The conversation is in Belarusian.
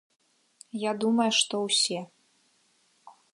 Я думаю, што ўсе.